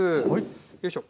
よいしょ。